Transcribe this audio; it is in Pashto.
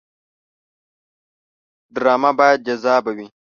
ډرامه باید جذابه وي